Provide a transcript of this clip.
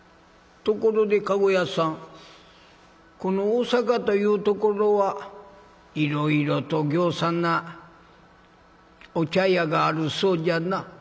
「ところで駕籠屋さんこの大坂というところはいろいろとぎょうさんなお茶屋があるそうじゃな」。